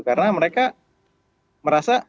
karena mereka merasa